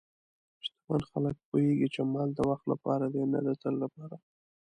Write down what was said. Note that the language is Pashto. شتمن خلک پوهېږي چې مال د وخت لپاره دی، نه د تل لپاره.